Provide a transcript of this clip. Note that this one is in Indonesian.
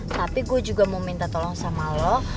tapi gue juga mau minta tolong sama lo